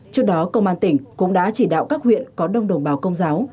trước đó công an tỉnh cũng đã chỉ đạo các huyện có đông đồng bào công giáo